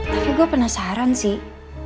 tapi gue penasaran sih